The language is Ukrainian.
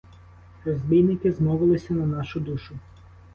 Розбійники змовилися на нашу душу!